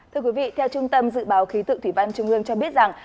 thưa quý vị theo trung tâm dự báo khí tượng thủy văn trung ương cho biết rằng